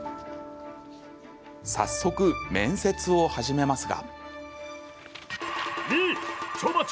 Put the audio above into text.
早速、面接を始めますが。